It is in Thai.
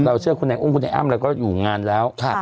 เราเชื่อคุณแหน่งอุ้มคุณแหน่งอ้ามแล้วก็อยู่งานแล้วค่ะ